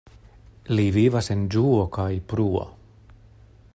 Li vivas en ĝuo kaj bruo.